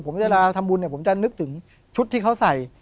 ผมจะรอทำบุญจะนึกถึงชุดที่เขาใส่